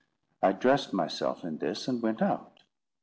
I dressed myself in this, and went out.